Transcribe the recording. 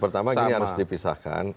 pertama ini harus dipisahkan